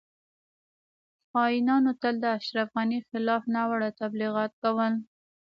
خاینانو تل د اشرف غنی خلاف ناوړه تبلیغات کول